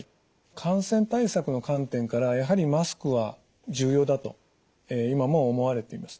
感染対策の観点からやはりマスクは重要だと今も思われています。